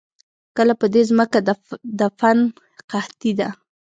کله په دې زمکه د فن قحطي ده